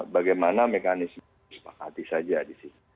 bagaimana mekanisme sepak hati saja di sisi